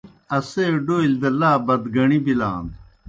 اسے ڈولیْ دہ لا بَدگَݨی بِلان۔